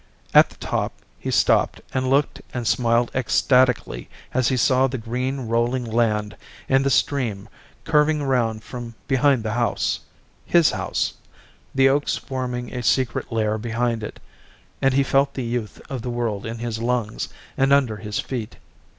At the top he stopped and looked and smiled ecstatically as he saw the green rolling land and the stream, curving around from behind the house, his house, the oaks forming a secret lair behind it, and he felt the youth of the world in his lungs and under his feet.